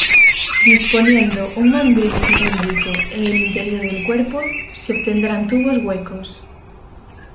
Disponiendo un mandril cilíndrico en el interior del cuerpo, se obtendrán tubos huecos.